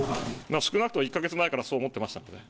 少なくとも１か月前からそう思ってました。